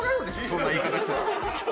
そんな言い方したら。